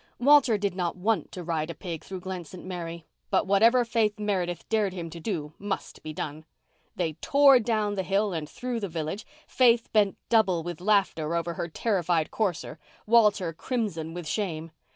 Walter did not want to ride a pig through Glen St. Mary, but whatever Faith Meredith dared him to do must be done. They tore down the hill and through the village, Faith bent double with laughter over her terrified courser, Walter crimson with shame.